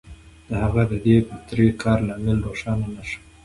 د هغه د دې فطري کار لامل روښانه نه شو